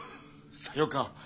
さようか。